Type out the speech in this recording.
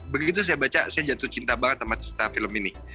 begitu saya baca saya jatuh cinta banget sama film ini